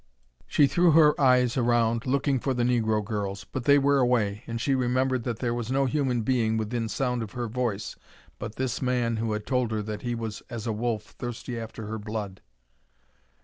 She threw her eyes around, looking for the negro girls; but they were away, and she remembered that there was no human being within sound of her voice but this man who had told her that he was as a wolf thirsty after her blood!